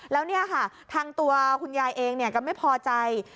แล้วเนี่ยค่ะทางตัวคุณยายเองก็ไม่พอใจ